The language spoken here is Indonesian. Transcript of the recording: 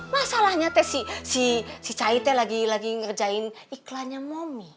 masalahnya teh si cai lagi ngerjain iklannya mami